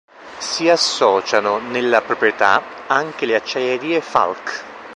Si associano nella proprietà anche le Acciaierie Falck.